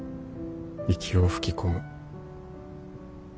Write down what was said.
息を吹き込む。